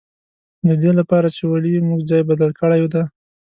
د دې له پاره چې ولې موږ ځای بدل کړی دی.